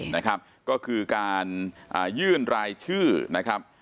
นะครับก็คือการยื่นรายชื่อนะครับ